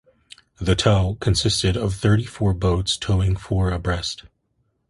The tow consisted of thirty-four boats towing four abreast.